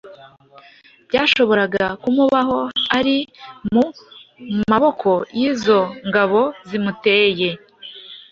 byashoboraga kumubaho ari mu maboko y’izo ngabo zimuteye,